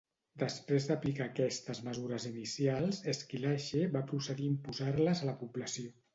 Després d'aplicar aquestes mesures inicials, Esquilache va procedir a imposar-les a la població.